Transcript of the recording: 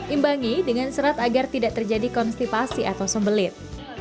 imbangi dengan serat agar tidak terjadi konstipasi atau sembelit